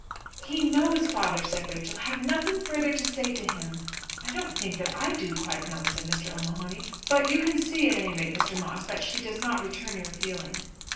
"He knows, father," said Rachel. "Have nothing further to say to him." "I don't think that I do quite know," said Mr. O'Mahony. "But you can see, at any rate, Mr. Moss, that she does not return your feeling."